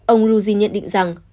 ông luzhin nhận định rằng